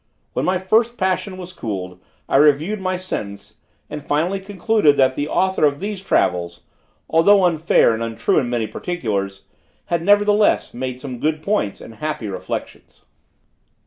When my first passion was cooled, I reviewed my sentence, and finally concluded that the author of these travels, although unfair and untrue in many particulars, had nevertheless made some good points and happy reflections.